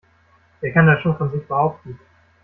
Wer kann das schon von sich behaupten?